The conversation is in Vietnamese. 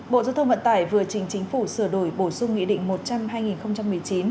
bộ giao thông vận tải vừa trình chính phủ sửa đổi bổ sung nghị định một trăm linh hai nghìn một mươi chín